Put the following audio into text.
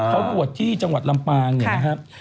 เขาบวชที่จังหวัดลำปางเนี่ยนะครับ